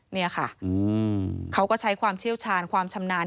นี่ค่ะเขาก็ใช้ความเชี่ยวชาญความชำนาญ